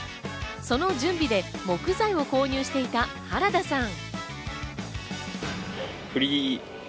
その準備で木材を購入していた原田さん。